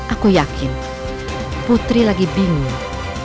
aku yakin putri lagi bingung